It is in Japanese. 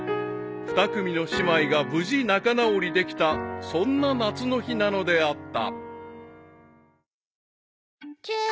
［２組の姉妹が無事仲直りできたそんな夏の日なのであった］